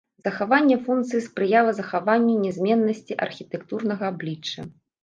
Захаванне функцыі спрыяла захаванню нязменнасці архітэктурнага аблічча.